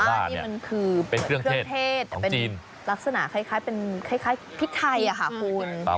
มีกลิ่นหอมกว่า